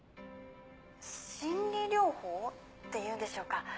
心理療法っていうんでしょうか。